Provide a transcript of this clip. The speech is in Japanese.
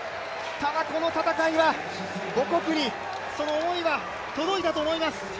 ただ、この戦いは母国にその思いは届いたと思います。